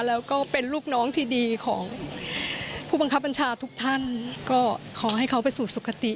แล้วก็เป็นลูกน้องที่ดีของผู้บังคับบัญชาทุกท่านก็ขอให้เขาไปสู่สุขติ